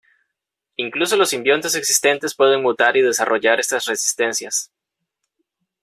Incluso los simbiontes existentes pueden mutar y desarrollar estas resistencias.